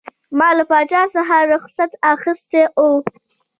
ما له پاچا څخه رخصت اخیستی وو.